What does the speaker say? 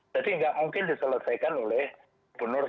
jadi nggak mungkin diselesaikan oleh penurus